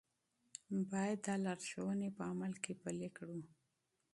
باید دا لارښوونې په عمل کې پلي کړو.